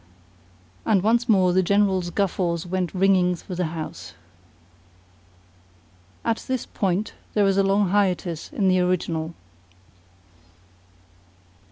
And once more the General's guffaws went ringing through the house. [At this point there is a long hiatus in the original.